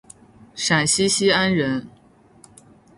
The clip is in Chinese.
陕西西安人。